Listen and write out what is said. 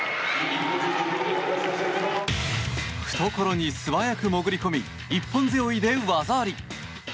懐に素早く潜り込み一本背負いで技あり。